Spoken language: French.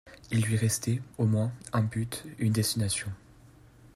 Il lui restait, au moins, un but, une destination.